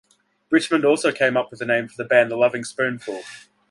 Richmond also came up with the name for the band The Lovin' Spoonful.